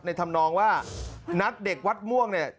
ทำนองว่านัดเด็กวัดม่วงเนี่ย